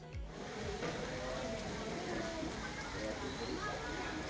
bahkan even ayam kampung